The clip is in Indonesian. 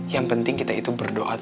yang penting kita itu berdoa